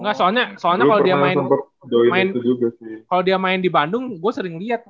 nggak soalnya kalo dia main di bandung gue sering liat